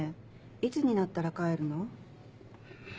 いつになったら帰るの？